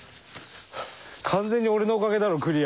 完全に俺のおかげだろクリア。